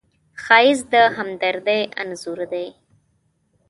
ښایست د همدردۍ انځور دی